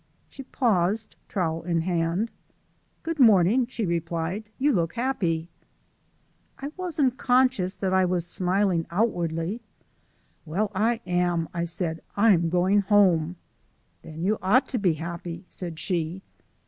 She paused, trowel in hand. "Good morning," she replied; "you look happy." I wasn't conscious that I was smiling outwardly. "Well, I am," I said; "I'm going home." "Then you OUGHT to be happy," said she.